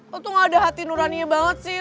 lu tuh gak ada hati nurani banget sih